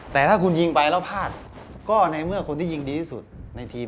แต่ถ้าคุณยิงไปแล้วพลาดก็ในเมื่อคนที่ยิงดีที่สุดในทีม